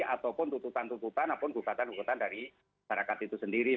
ataupun tuntutan tuntutan ataupun gugatan gugatan dari masyarakat itu sendiri